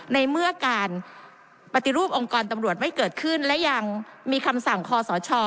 ในเมื่อการปฏิรูปองค์กรตำรวจไม่เกิดขึ้นและยังมีคำสั่งคอสช